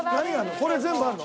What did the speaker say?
これ全部あるの？